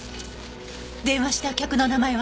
電話した客の名前は？